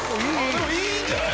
でもいいんじゃない？